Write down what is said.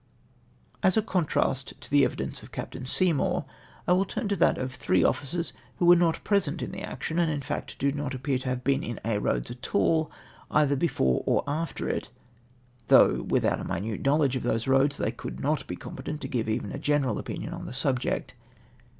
As a contrast to the e\T.dence of Captain Se}^nour, I will turn to that of three officers who were not pre sent in the action, and in fact, do not appear to have been in Aix Eoads at all, either before or after it ; though without a mmute knowledge of those Eoads they could not be competent to give even a general opmion on the subject.